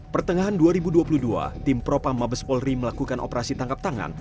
pertengahan dua ribu dua puluh dua tim propam mabes polri melakukan operasi tangkap tangan